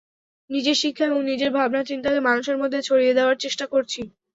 নিজের শিক্ষা এবং নিজের ভাবনা-চিন্তাকে মানুষের মধ্যে ছড়িয়ে দেওয়ার চেষ্টা করছি।